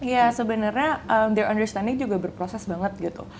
ya sebenarnya the understanding juga berproses banget gitu